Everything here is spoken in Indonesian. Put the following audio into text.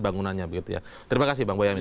bangunannya begitu ya terima kasih bang boyamin